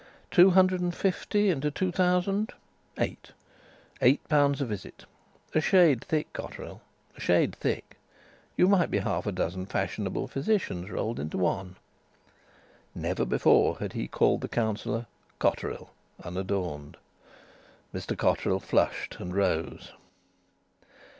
"Two hundred and fifty into two thousand eight. Eight pounds a visit. A shade thick, Cotterill, a shade thick. You might be half a dozen fashionable physicians rolled into one." Never before had he called the Councillor "Cotterill" unadorned. Mr Cotterill flushed and rose.